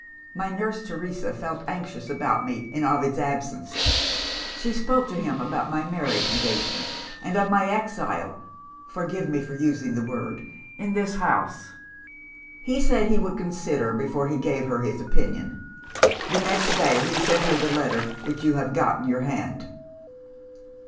My nurse Teresa felt anxious about me in Ovid's absence; she spoke to him about my marriage engagement, and of my exile forgive me for using the word! in this house. He said he would consider, before he gave her his opinion. The next day, he sent her the letter which you have got in your hand.